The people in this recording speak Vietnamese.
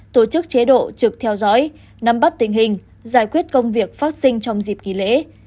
tổ chức chế độ trực theo dõi nắm bắt tình hình giải quyết công việc phát sinh trong dịp kỳ lễ